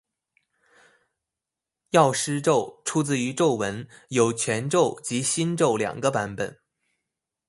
药师咒出自于咒文有全咒及心咒两个版本。